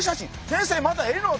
先生